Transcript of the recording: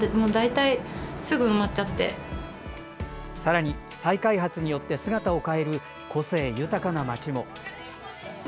さらに、再開発によって姿を変える個性豊かな街も。